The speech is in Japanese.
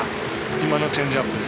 今のがチェンジアップです。